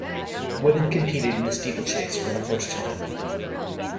Women competed in the steeplechase for the first time.